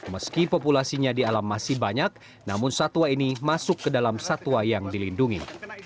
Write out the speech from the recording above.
meski populasinya di alam masih banyak namun satwa ini masuk ke dalam satwa yang dilindungi